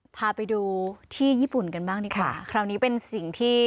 พาไปดูที่ญี่ปุ่นกันบ้างดีกว่าคราวนี้เป็นสิ่งที่